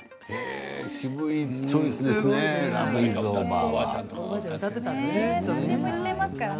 渋いチョイスですね